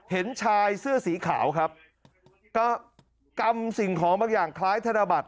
เห็นชายเสื้อสีขาวครับก็กำสิ่งของบางอย่างคล้ายธนบัตร